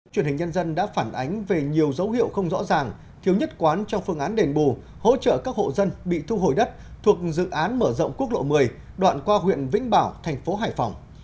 truyền hình nhân dân đã phản ánh về nhiều dấu hiệu không rõ ràng thiếu nhất quán trong phương án đền bù hỗ trợ các hộ dân bị thu hồi đất thuộc dự án mở rộng quốc lộ một mươi đoạn qua huyện vĩnh bảo thành phố hải phòng